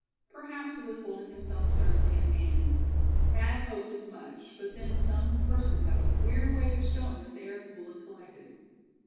Perhaps he was holding himself sternly in hand; Thad hoped as much; but then some persons have a queer way of showing that they are cool and collected.